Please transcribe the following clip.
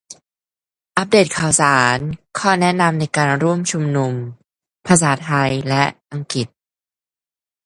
อัปเดตข่าวสาร ข้อแนะนำในการร่วมชุมนุม - ภาษาไทยและอังกฤษ